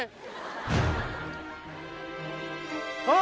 あ